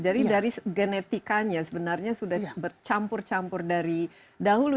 jadi dari genetikanya sebenarnya sudah bercampur campur dari dahulu